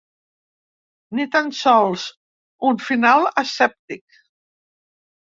Ni tan sols un final escèptic.